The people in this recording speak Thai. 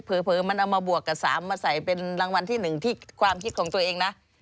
เผลอมันเอามาบวกกับ๓มาใส่เป็นรางวัลที่๑ที่ความคิดของตัวเองนะ